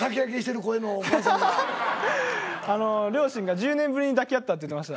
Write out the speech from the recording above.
あの両親が１０年ぶりに抱き合ったって言ってました。